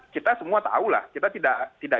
kita semua tahu lah kita tidak